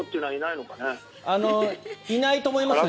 いないと思います。